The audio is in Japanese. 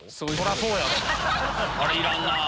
あれいらんなぁ！